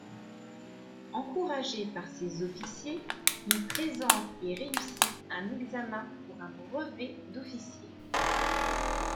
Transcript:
Encouragé par ses officiers, il présente et réussit un examen pour un brevet d'officier.